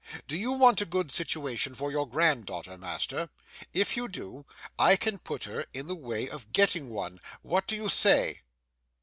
Do you want a good situation for your grand daughter, master? If you do, I can put her in the way of getting one. What do you say?